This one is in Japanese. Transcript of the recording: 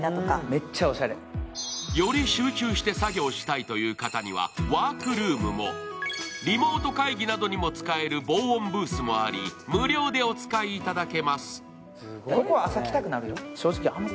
めっちゃおしゃれ。より集中して作業したいという方にはワークルームも、リモート会議などにも使える防音ブースもあり、無料でお使いいただけます。